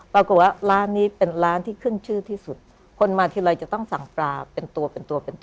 ปรากฎว่าร้านนี้เป็นร้านที่ครึ่งชื่อที่สุดคนมาทีไรจะต้องสั่งปลาเป็นตัว